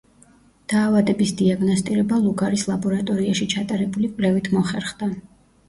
დაავადების დიაგნოსტირება ლუგარის ლაბორატორიაში ჩატარებული კვლევით მოხერხდა.